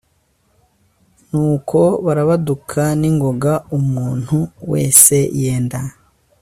Nuko barabaduka n ingoga umuntu wese yenda